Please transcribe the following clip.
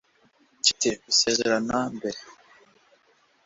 mfite gusezerana mbere